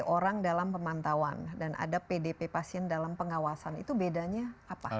orang dalam pemantauan dan ada pdp pasien dalam pengawasan itu bedanya apa